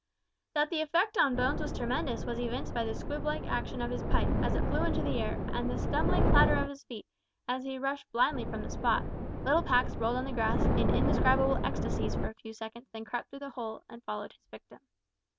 That the effect on Bones was tremendous was evinced by the squib like action of his pipe, as it flew into the air, and the stumbling clatter of his feet, as he rushed blindly from the spot. Little Pax rolled on the grass in indescribable ecstasies for a few seconds, then crept through the hole, and followed his victim.